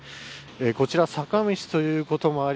こちら、坂道ということもあり